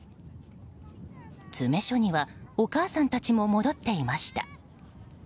詰め所にはお母さんたちも戻っていました。